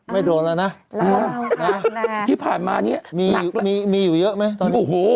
ไม่โดนแล้วนะที่ผ่านมาเนี่ยมีอยู่เยอะไหม